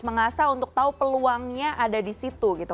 mengasah untuk tahu peluangnya ada di situ gitu